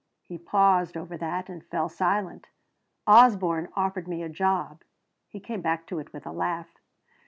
He paused over that and fell silent. "Osborne offered me a job," he came back to it with a laugh.